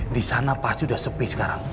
disana pasti udah sepi sekarang